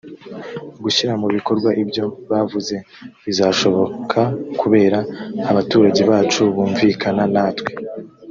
gushyira mu bikorwa ibyo bavuze bizashoboka kubera abaturage bacu bunvikana natwe